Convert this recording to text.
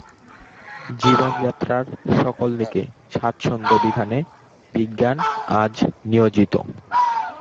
জীবনযাত্রার সকল দিকের স্বাচ্ছন্দ্য বিধানে বিজ্ঞান আজ নিয়োজিত।